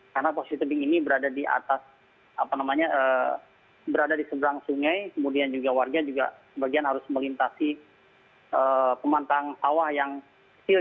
karena posisi tebing ini berada di atas apa namanya berada di seberang sungai kemudian juga warga juga sebagian harus melintasi pemantang bawah yang stil